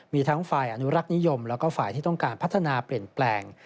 มีทั้งฝ่ายอนุรักษ์นิยมแล้วก็ฝ่ายที่ต้องการพัฒนาเปลี่ยนแปลง